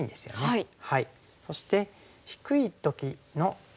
はい。